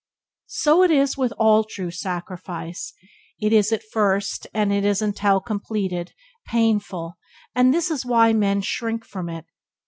So it is with all true sacrifice; it is at first, and until it is completed, painful, and this is why men shrink from it.